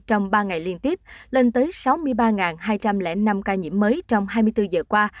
trong ba ngày liên tiếp lên tới sáu mươi ba hai trăm linh năm ca nhiễm mới trong hai mươi bốn giờ qua